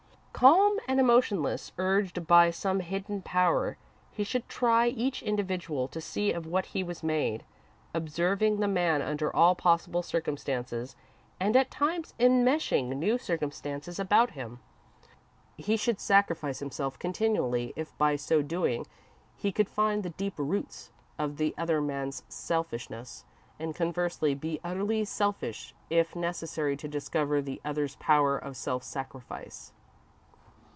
Calm and emotionless, urged by some hidden power, he should try each individual to see of what he was made; observing the man under all possible circumstances, and at times enmeshing new circumstances about him. He should sacrifice himself continually if by so doing he could find the deep roots of the other man's selfishness, and, conversely, be utterly selfish if necessary to discover the other's power of self sacrifice.